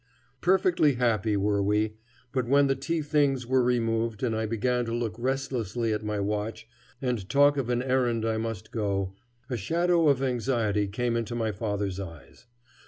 Perfectly happy were we; but when the tea things were removed and I began to look restlessly at my watch and talk of an errand I must go, a shadow of anxiety came into my father's eyes.